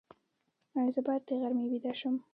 ایا زه باید د غرمې ویده شم؟